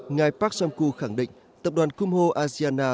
ngày park sam ku khẳng định tập đoàn kumho asiana